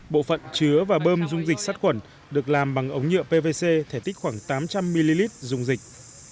bộ phận chứa và bơm dung dịch sát khuẩn được làm bằng ống nhựa pvc thể tích khoảng tám trăm linh ml dung dịch